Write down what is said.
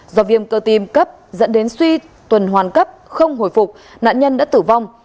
do viêm cơ tim cấp dẫn đến suy tuần hoàn cấp không hồi phục nạn nhân đã tử vong